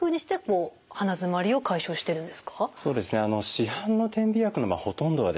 市販の点鼻薬のほとんどはですね